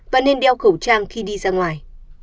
và nên đeo khẩu trang khi đi ra ngoài